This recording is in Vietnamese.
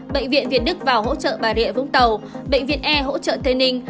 bệnh viện việt đức vào hỗ trợ bà rịa vũng tàu bệnh viện e hỗ trợ tây ninh